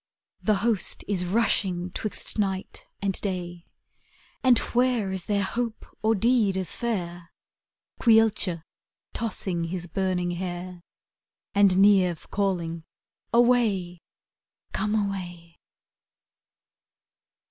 '' The host is rushing Hwixt night and day ; And where is there hope or deed as fair? Caolte tossing his burning hair, And Niamh calling, ''Away, come away?